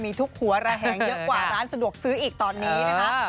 มีทุกหัวระแหงเยอะกว่าร้านสะดวกซื้ออีกตอนนี้นะคะ